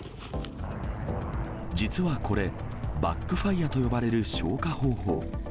実はこれ、バック・ファイアと呼ばれる消火方法。